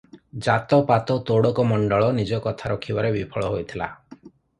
ଜାତ-ପାତ ତୋଡ଼କ ମଣ୍ଡଳ ନିଜ କଥା ରଖିବାରେ ବିଫଳ ହୋଇଥିଲା ।